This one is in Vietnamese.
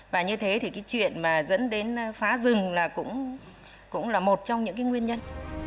và như thế thì cái chuyện mà dẫn đến phá rừng là cũng là một trong những cái nguyên nhân